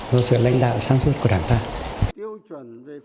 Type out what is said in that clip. chúng ta là sự lãnh đạo sáng tạo